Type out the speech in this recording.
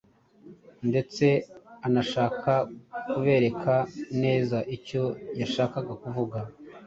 ndetse anashaka kubereka neza icyo yashakaga kuvuga.